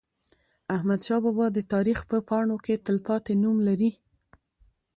احمدشاه بابا د تاریخ په پاڼو کې تلپاتې نوم لري.